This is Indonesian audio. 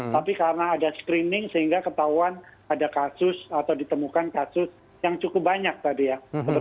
tapi karena ada screening sehingga ketahuan ada kasus atau ditemukan kasus yang cukup banyak tadi ya